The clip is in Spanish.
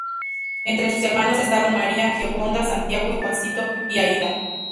Entre sus hermanos estaban María, Gioconda, Santiago y Juancito y Aída.